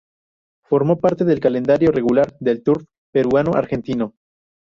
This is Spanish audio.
Formó parte del calendario regular del turf peruano y argentino.